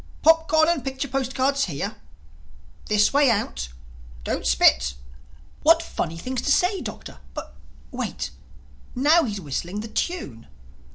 'Popcorn and picture postcards here'.... 'This way out'.... 'Don't spit'—What funny things to say, Doctor!—Oh, but wait!—Now he's whistling the tune."